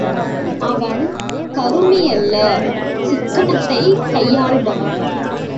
அவன் கருமியல்ல சிக்கனத்தைக் கையாள்பவன்.